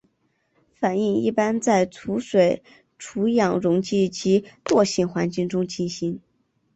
反应一般在除水除氧溶剂及惰性环境中进行。